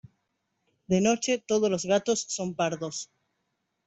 De noche todos los gatos son pardos.